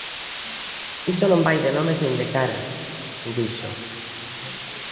"Isto non vai de nomes nin de caras", dixo.